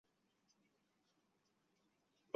大多喜城曾经存在的一座连郭式平山城。